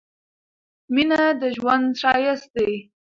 مينه د ژوند ښايست دي